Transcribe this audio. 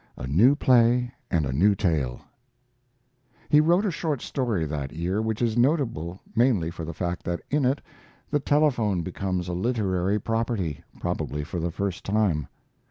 A NEW PLAY AND A NEW TALE He wrote a short story that year which is notable mainly for the fact that in it the telephone becomes a literary property, probably for the first time.